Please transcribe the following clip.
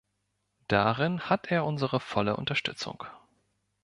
Darin hat er unsere volle Unterstützung.